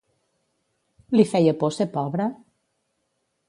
Li feia por ser pobre?